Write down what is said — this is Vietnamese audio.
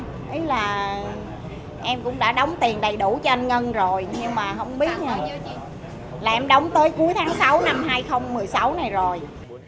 thế là em cũng đã đóng tiền đầy đủ cho anh ngân rồi nhưng mà không biết như là em đóng tới cuối tháng sáu năm hai nghìn một mươi sáu này rồi